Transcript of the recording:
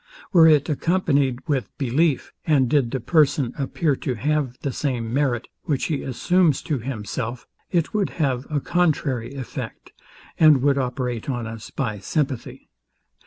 Were it accompanied with belief, and did the person appear to have the same merit, which he assumes to himself, it would have a contrary effect, and would operate on us by sympathy.